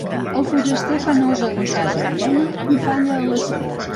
El foraster fa nosa en casa aliena i falla a la seva.